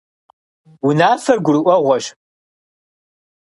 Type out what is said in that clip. Унафэр гурыӀуэгъуэщ.